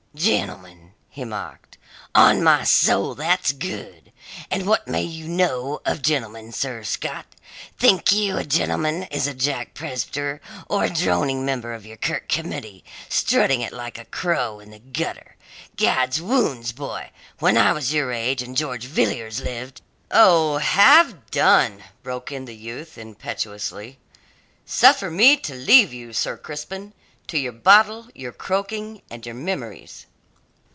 "Gentleman!" he mocked. "On my soul, that's good! And what may you know of gentlemen, Sir Scot? Think you a gentleman is a Jack Presbyter, or a droning member of your kirk committee, strutting it like a crow in the gutter? Gadswounds, boy, when I was your age, and George Villiers lived " "Oh, have done!" broke in the youth impetuously. "Suffer me to leave you, Sir Crispin, to your bottle, your croaking, and your memories."